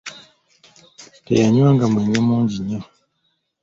Teyanywanga mwenge mungi nnyo.